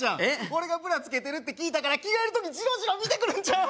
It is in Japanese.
俺がブラつけてるって聞いたから着替える時ジロジロ見てくるんちゃう？